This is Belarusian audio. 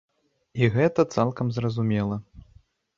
І гэта цалкам зразумела.